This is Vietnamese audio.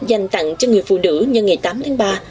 dành tặng cho người phụ nữ như ngày tám tháng ba